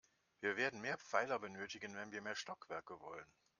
Wir werden mehr Pfeiler benötigen, wenn wir mehr Stockwerke wollen.